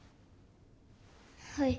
はい。